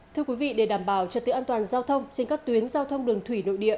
thưa quý vị để đảm bảo trật tự an toàn giao thông trên các tuyến giao thông đường thủy nội địa